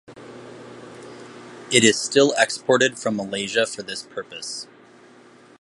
It is still exported from Malaysia for this purpose.